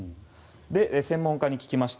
専門家に聞きました。